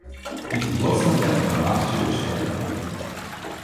Mit den Wurzeln werden rheumatische Beschwerden kuriert.